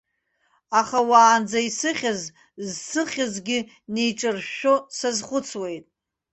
Аха уаанӡа исыхьыз зсыхьызгьы неиҿыршәшәо сазхәыцуеит.